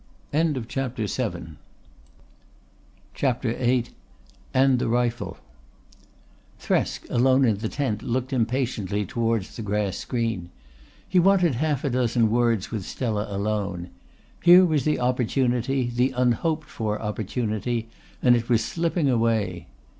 CHAPTER VIII AND THE RIFLE Thresk, alone in the tent, looked impatiently towards the grass screen. He wanted half a dozen words with Stella alone. Here was the opportunity, the unhoped for opportunity, and it was slipping away.